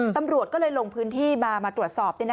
ตำรวจก็เลยลงพื้นที่มามาตรวจสอบ